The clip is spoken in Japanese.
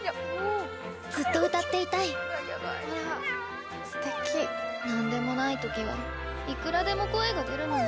ずっと歌っていたい何でもない時はいくらでも声が出るのに。